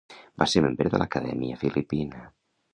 Va ser membre de l'Acadèmia Filipina.